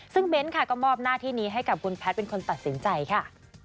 ซึ่งเบ้นค่ะก็มอบหน้าที่นี้ให้กับคุณแพทย์เป็นคนตัดสินใจค่ะ